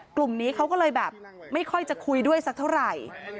กลุ่มนี้เขาก็เลยแบบไม่ค่อยจะคุยด้วยสักเท่าไหร่